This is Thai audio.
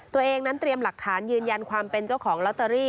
ตัวเองนั้นเตรียมหลักฐานยืนยันความเป็นเจ้าของลอตเตอรี่